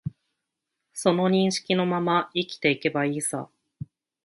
その認識のまま生きていけばいいさ